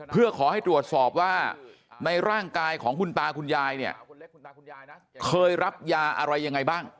เพื่อขอให้ตรวจสอบว่าในร่างกายของคุณตาคุณยายเนี่ยเคยรับยาอะไรยังไงบ้าง